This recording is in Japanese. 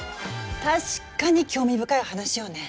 確かに興味深い話よね。